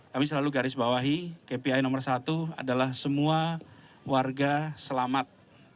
kami selalu garis bawahi kpi nomor satu adalah semua warga selamat